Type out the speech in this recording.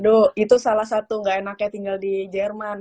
aduh itu salah satu nggak enaknya tinggal di jerman